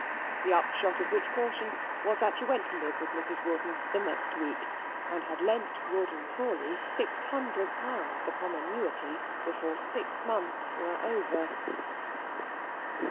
The upshot of which caution was that she went to live with Mrs. Rawdon the next week, and had lent Rawdon Crawley six hundred pounds upon annuity before six months were over.